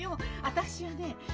私はね